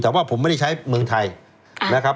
แต่ว่าผมไม่ได้ใช้เมืองไทยนะครับ